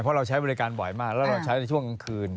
เพราะเราใช้บริการบ่อยมากแล้วเราใช้ในช่วงกลางคืน